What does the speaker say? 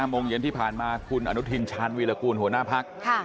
โมงเย็นที่ผ่านมาคุณอนุทินชาญวีรกูลหัวหน้าพัก